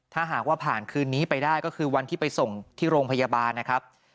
ถ้าหากว่าผ่านคืนนี้ไปได้ก็คือวันที่ไปส่งที่โรงพยาบาลนะครับ